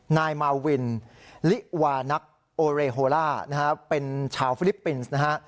นายมาวินลิวานักโอเรโฮล่านะฮะเป็นชาวฟิลิปปินส์นะฮะ